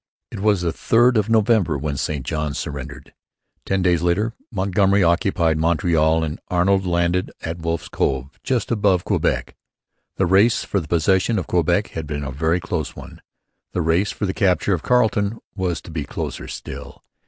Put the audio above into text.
It was the 3rd of November when St Johns surrendered. Ten days later Montgomery occupied Montreal and Arnold landed at Wolfe's Cove just above Quebec. The race for the possession of Quebec had been a very close one. The race for the capture of Carleton was to be closer still.